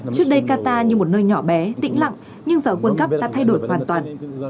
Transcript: trước đây qatar như một nơi nhỏ bé tĩnh lặng nhưng giờ world cup đã thay đổi hoàn toàn